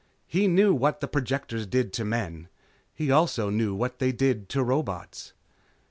He knew what the projectors did to men. He also knew what they did to robots.